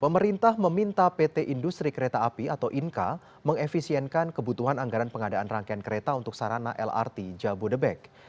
pemerintah meminta pt industri kereta api atau inka mengefisienkan kebutuhan anggaran pengadaan rangkaian kereta untuk sarana lrt jabodebek